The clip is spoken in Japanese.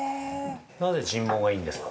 ◆なぜが人毛がいいんですか。